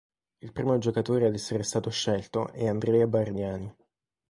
Il primo giocatore ad essere stato scelto è Andrea Bargnani.